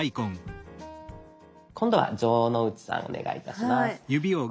今度は城之内さんお願いいたします。